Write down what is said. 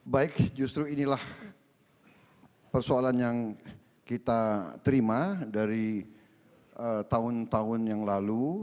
baik justru inilah persoalan yang kita terima dari tahun tahun yang lalu